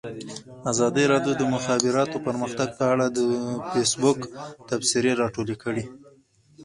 ازادي راډیو د د مخابراتو پرمختګ په اړه د فیسبوک تبصرې راټولې کړي.